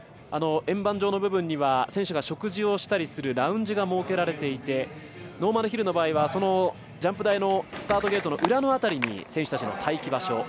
円盤状の部分には選手が食事をしたりするラウンジが設けられていてノーマルヒルの場合にはそのジャンプ台のスタートゲートの裏の辺りに選手たちの待機場所